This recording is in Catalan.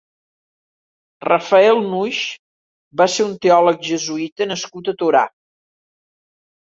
Rafael Nuix va ser un teòleg jesuïta nascut a Torà.